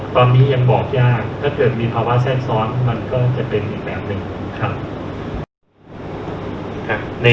ตอนนี้ยังบอกยากถ้าเกิดมีภาวะแทรกซ้อนมันก็จะเป็นอีกแบบหนึ่งครับ